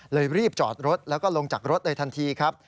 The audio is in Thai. รีบจอดรถแล้วก็ลงจากรถในทันทีครับ